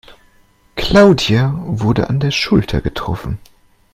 Claudia wurde an der Schulter getroffen.